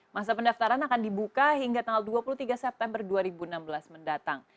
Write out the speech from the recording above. masa pendaftaran akan dibuka hingga tanggal dua puluh tiga september dua ribu enam belas mendatang